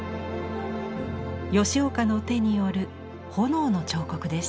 吉岡の手による炎の彫刻です。